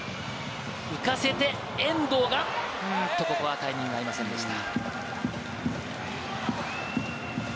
行かせて遠藤が、ここはタイミングが合いませんでした。